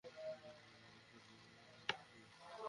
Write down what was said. কারণ, বৈদেশিক মুদ্রা হলেই তো হবে না, দেশীয় জোগানও থাকতে হয়।